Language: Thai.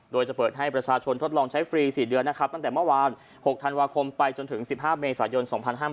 โดยจะเปิดให้ประชาชนทดลองใช้ฟรี๔เดือนนะครับตั้งแต่เมื่อวาน๖ธันวาคมไปจนถึง๑๕เมษายน๒๕๕๙